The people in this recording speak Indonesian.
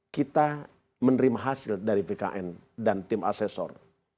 kita menerima hasil dari bkn dan tim asesor